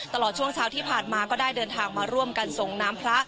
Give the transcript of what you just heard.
ตลอดช่วงเช้าที่ผ่านมาก็ได้เดินทางมาร่วมกันส่งน้ำพระ